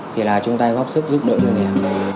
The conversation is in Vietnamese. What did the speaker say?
thì là chúng ta góp sức giúp đỡ người này